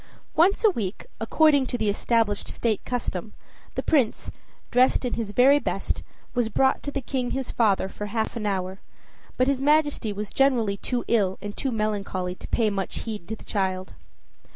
Once a week, according to established state custom, the Prince, dressed in his very best, was brought to the King his father for half an hour, but his Majesty was generally too ill and too melancholy to pay much heed to the child.